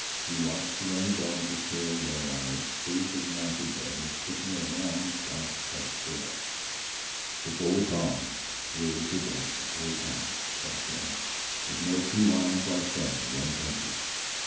He watched the running dogs with pale, yellow eyes, waved his massive head and switched a long, black tufted tail. "It's Old Tom! sure as you're born! It's Old Tom!" yelled Jones. "There's no two lions like that in one country.